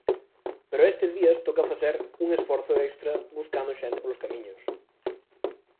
Pero estes días toca facer un esforzo extra buscando xente polos camiños.